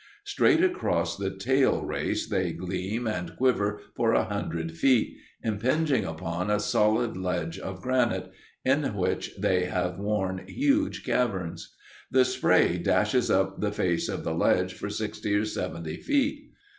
Straight across the tail race they gleam and quiver for a hundred feet, impinging upon a solid ledge of granite, in which they have worn huge caverns. The spray dashes up the face of the ledge for sixty or seventy feet.